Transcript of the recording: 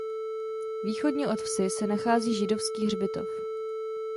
Východně od vsi se nachází židovský hřbitov.